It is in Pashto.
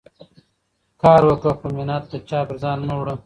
کار وکه، خو مینت د چا پر ځان مه وړه.